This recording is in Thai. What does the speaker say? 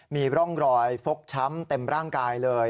มีร่องรอยฟกช้ำเต็มร่างกายเลย